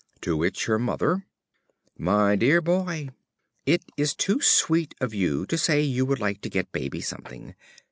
To which her mother: My Dear Boy, It is too sweet of you to say you would like to get Baby something.